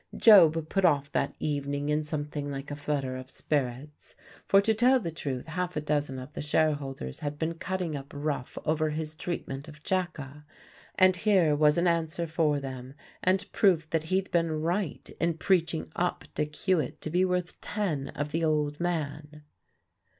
Job put off that evening in something like a flutter of spirits; for to tell the truth half a dozen of the shareholders had been cutting up rough over his treatment of Jacka, and here was an answer for them, and proof that he'd been right in preaching up Dick Hewitt to be worth ten of the old man.